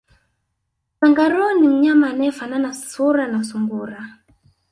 Kangaroo ni mnyama anayefanana sura na sungura